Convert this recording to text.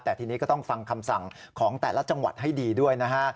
แต่ทีนี้ก็ต้องฟังคำสั่งของแต่ละจังหวัดให้ดีด้วยนะฮะ